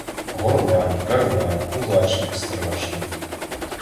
Горлань, верлань, кулачник страшний